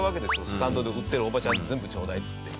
スタンドで売ってるおばちゃんに「全部ちょうだい」っつって。